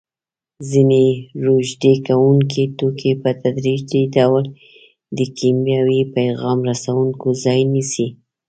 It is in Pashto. ځینې روږدې کوونکي توکي په تدریجي ډول د کیمیاوي پیغام رسوونکو ځای نیسي.